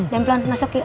jangan pelan masuk yuk